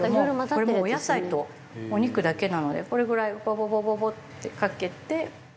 これもうお野菜とお肉だけなのでこれぐらいバババババッてかけて。